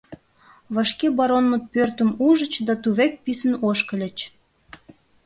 Вашке баронмыт пӧртым ужыч да тувек писын ошкыльыч.